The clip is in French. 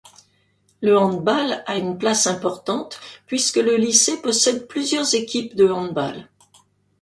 Le handball à une place importante puisque le lycée possède plusieurs équipes de handball.